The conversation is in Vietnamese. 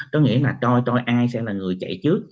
có nghĩa là coi tôi ai sẽ là người chạy trước